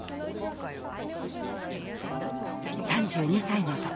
３２歳の時